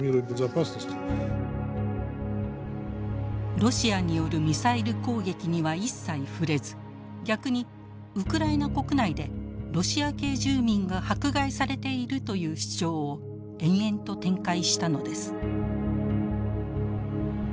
ロシアによるミサイル攻撃には一切触れず逆にウクライナ国内でロシア系住民が迫害されているという主張を延々と展開したのです。